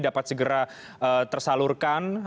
dapat segera tersalurkan